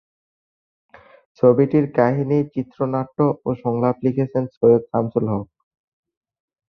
ছবিটির কাহিনী, চিত্রনাট্য ও সংলাপ লিখেছেন সৈয়দ শামসুল হক।